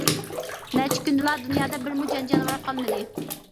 نەچچە كۈندىلا دۇنيادا بىرمۇ جان-جانىۋار قالمىدى!